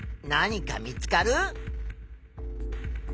何か見つかる？